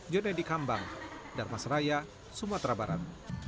jodhedi kambang darmaseraya sumatera barat